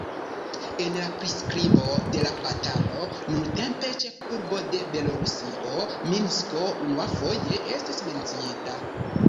En la priskribo de la batalo nuntempa ĉefurbo de Belarusio Minsko unuafoje estis menciita.